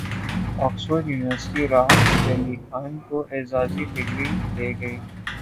Oxford university Rahat Fateh Ali Khan کو اعزازی degree دے گی